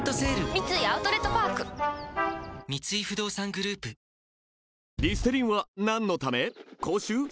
三井アウトレットパーク三井不動産グループヘイ！